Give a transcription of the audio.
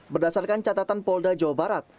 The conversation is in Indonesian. berdasarkan catatan polda jawa barat